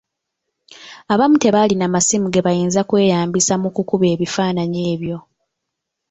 Abamu tebaalina masimu ge bayinza kweyambisa mu kukuba bifaananyi ebyo.